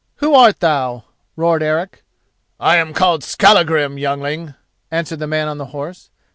"Who art thou?" roared Eric. "I am called Skallagrim, youngling," answered the man on the horse.